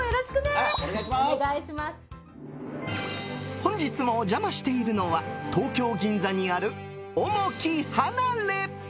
本日もお邪魔しているのは東京・銀座にある、おもき離れ。